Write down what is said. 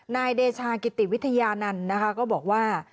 นายเดชากิติวิทยานันต์นะคะก็บอกว่า